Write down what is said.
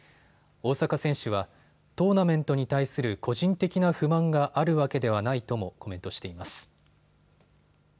大坂選手はトーナメントに対する個人的な不満があるわけではないともコメントしています。